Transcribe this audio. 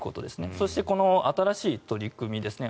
そしてこの新しい取り組みですね。